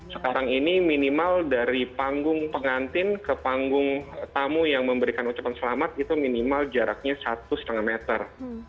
sekarang ini minimal dari panggung pengantin ke panggung tamu yang memberikan ucapan selamat itu minimal jaraknya satu lima meter